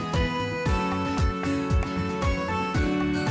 ไป